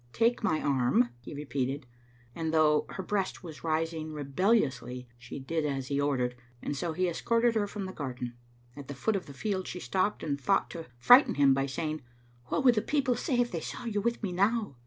"Take my arm," he repeated, and, though her breast was rising rebelliously, she did as he ordered, and so he escorted her from the garden. At the foot of the field she stopped, and thought to frighten him by say ing, " What would the people say if they saw you with me now?"